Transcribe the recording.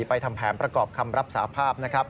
ไปทำแผนประกอบคำรับสาภาพ